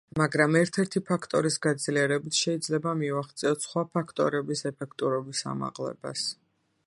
მაგრამ ერთ-ერთი ფაქტორის გაძლიერებით შეიძლება მივაღწიოთ სხვა ფაქტორების ეფექტურობის ამაღლებას.